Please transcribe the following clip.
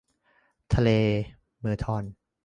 ทะเลเมอร์ทอน